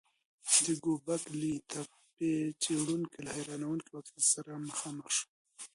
د ګوبک لي تپې څېړونکي له حیرانوونکي واقعیت سره مخامخ شول.